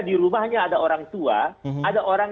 di rumahnya ada orang tua ada orang